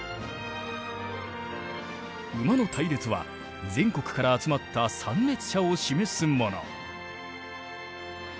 馬の隊列は全国から集まった参列者を示すもの。